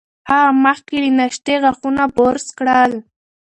هغه مخکې له ناشتې غاښونه برس کړل.